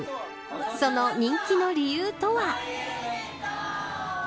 その人気の理由とは。